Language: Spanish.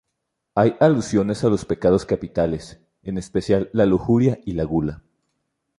Hay alusiones a los pecados capitales, en especial la lujuria y la gula.